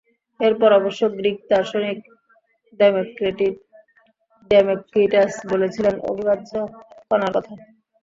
এরপর অবশ্য গ্রিক দার্শনিক ডেমেক্রিটাস বলেছিলেন অবিভাজ্য কণার কথা।